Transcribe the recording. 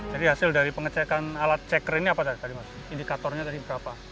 jadi hasil dari pengecekan alat cekering ini apa tadi mas indikatornya tadi berapa